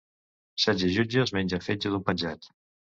Setze jutges mengen fetge d'un penjat